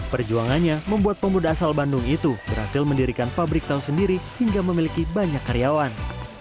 perjuangannya membuat pemuda asal bandung itu berhasil mendirikan pabrik tahu sendiri hingga memiliki banyak karyawan